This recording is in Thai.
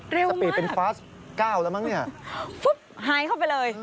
สปีดเป็นฟาสเก้าแล้วมั้งเนี่ยฟุ๊บหายเข้าไปเลย